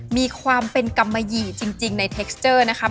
มีความเป็นกำมะหยี่จริงในเทคสเจอร์นะคะ